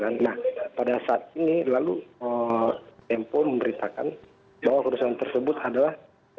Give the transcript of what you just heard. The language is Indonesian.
nah pada saat ini lalu tempo memberitakan bahwa kerusuhan tersebut adalah